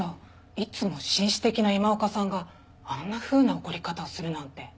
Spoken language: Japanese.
いつも紳士的な今岡さんがあんなふうな怒り方をするなんて。